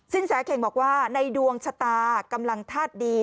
แสเข่งบอกว่าในดวงชะตากำลังธาตุดี